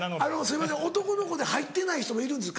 すいません男の子で入ってない人もいるんですか？